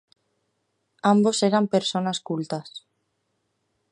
Ambos eran personas cultas.